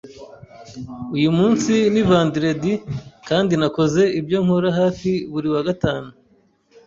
Uyu munsi ni vendredi, kandi nakoze ibyo nkora hafi buri wa gatanu.